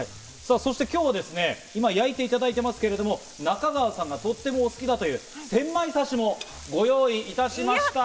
今日は今、焼いていただいていますけれども、中川さんがとってもお好きだというセンマイ刺しもご用意いたしました。